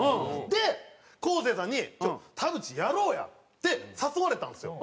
で昴生さんに「田渕やろうや」って誘われたんですよ。